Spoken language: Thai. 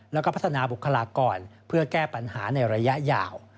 แล้วก็พัฒนาบุคลากรเพื่อแก้ปัญหาในระยะยาว